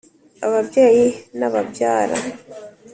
ababyeyi n’ababyara